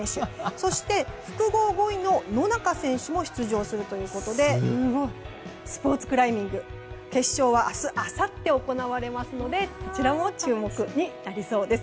そして、複合５位の野中選手も出場するということでスポーツクライミング決勝は明日、あさって行われますのでこちらも注目になりそうです。